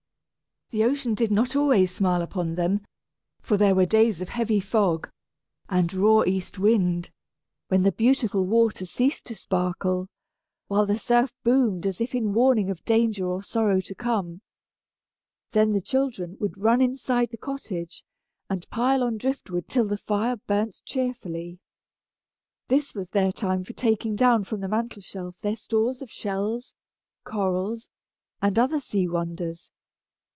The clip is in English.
The ocean did not always smile upon them, for there were days of heavy fog, of raw east wind, when the beautiful water ceased to sparkle, while the surf boomed as if in warning of danger or sorrow to come. Then the children would run inside the cottage, and pile on drift wood till the fire burnt cheerily. This was their time for taking down from the mantel shelf their stores of shells, corals, and other sea wonders.